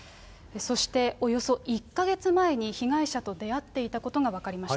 そしておよそ１か月前に被害者と出会っていたことが分かりました。